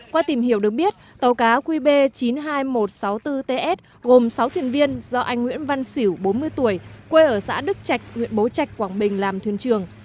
qua tìm hiểu được biết tàu cá qb chín mươi hai nghìn một trăm sáu mươi bốn ts gồm sáu thuyền viên do anh nguyễn văn xỉu bốn mươi tuổi quê ở xã đức trạch huyện bố trạch quảng bình làm thuyền trường